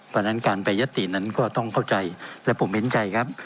เพราะฉะนั้นการแปรยตินั้นก็ต้องเข้าใจและผมเห็นใจครับ